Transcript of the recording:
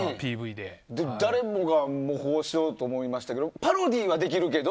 でも、誰もが模倣しようと思ったけどパロディーはできるけど。